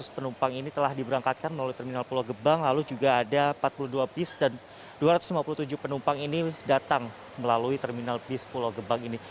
dua ratus penumpang ini telah diberangkatkan melalui terminal pulau gebang lalu juga ada empat puluh dua bis dan dua ratus lima puluh tujuh penumpang ini datang melalui terminal bis pulau gebang ini